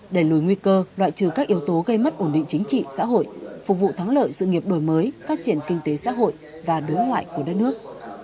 đẩy lùi nguy cơ loại trừ các yếu tố gây mất ổn định chính trị xã hội phục vụ thắng lợi sự nghiệp đổi mới phát triển kinh tế xã hội và đối ngoại của đất nước